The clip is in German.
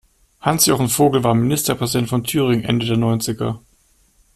Hans-Jochen Vogel war Ministerpräsident von Thüringen Ende der Neunziger.